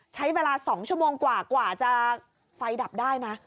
ใช้เวลา๒ชั่วโมงกว่ากว่าจะไฟดับได้นะ